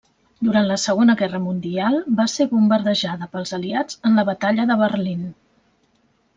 Durant la Segona Guerra Mundial va ser bombardejada pels aliats en la Batalla de Berlín.